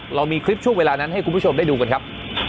เรามีคลิปช่วงเวลานั้นให้คุณผู้ชมได้ดูกันครับ